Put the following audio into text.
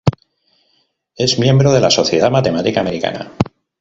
Es miembro de la Sociedad Matemática americana.